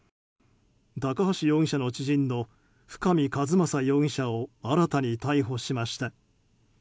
高橋容疑者の知人の深見和政容疑者を新たに逮捕しました。